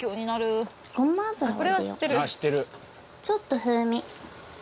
ちょっと風味。